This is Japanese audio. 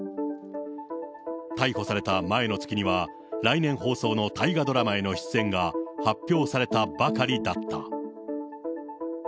逮捕された前の月には、来年放送の大河ドラマへの出演が発表されたばかりだった。